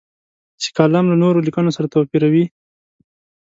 چې کالم له نورو لیکنو سره توپیروي.